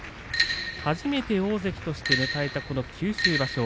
初めて大関として迎えたこの九州場所。